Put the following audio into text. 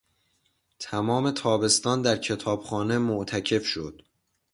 تمام تابستان در کتابخانه معتکف شد.